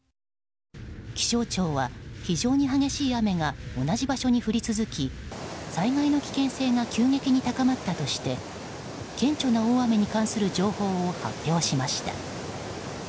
気象庁は非常に激しい雨が同じ場所に降り続き災害の危険性が急激に高まったとして顕著な大雨に関する情報を発表しました。